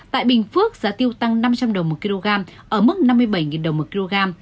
tại bình phước giá tiêu tăng năm trăm linh đồng một kg ở mức năm mươi bảy đồng một kg